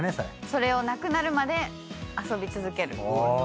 それをなくなるまで遊び続ける。